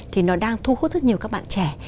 thì nó đang thu hút rất nhiều các bạn trẻ